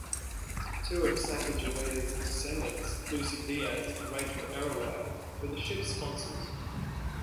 Two of Sacagawea's descendants, Lucy Diaz and Rachel Ariwite, were the ship's sponsors.